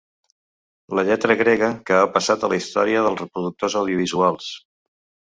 La lletra grega que ha passat a la història dels reproductors audiovisuals.